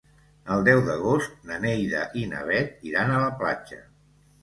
El deu d'agost na Neida i na Bet iran a la platja.